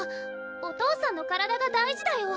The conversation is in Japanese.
お父さんの体が大事だよ！